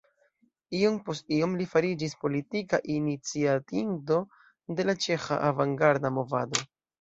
Iom post iom li fariĝis politika iniciatinto de la ĉeĥa avangarda movado.